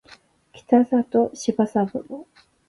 北里柴三郎